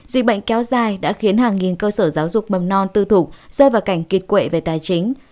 dịch bệnh kéo dài đã khiến hàng nghìn cơ sở giáo dục mầm non tư thục rơi vào cảnh kiệt quệ về tài chính